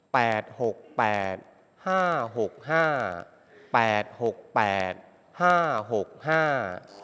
หกแปดห้าหกห้าแปดหกแปดห้าหกห้า